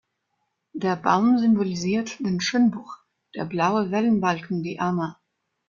Der Baum symbolisiert den Schönbuch, der blaue Wellenbalken die Ammer.